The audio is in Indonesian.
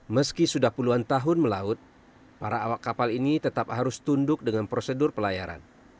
meski sudah puluhan tahun melaut para awak kapal ini tetap harus tunduk dengan prosedur pelayaran